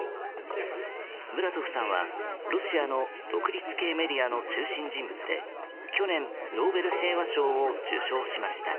ムラトフさんは、ロシアの独立系メディアの中心人物で去年、ノーベル平和賞を受賞しました。